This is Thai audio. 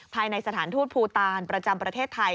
ภายในสถานทูตภูตานประจำประเทศไทย